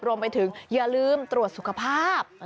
รวมไปถึงอย่าลืมตรวจสุขภาพ